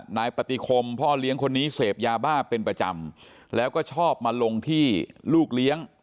นายปฏิคมพ่อเลี้ยงคนนี้เสพยาบ้าเป็นประจำแล้วก็ชอบมาลงที่ลูกเลี้ยง